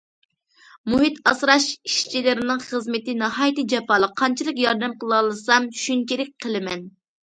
مۇھىت ئاسراش ئىشچىلىرىنىڭ خىزمىتى ناھايىتى جاپالىق، قانچىلىك ياردەم قىلالىسام شۇنچىلىك قىلىمەن.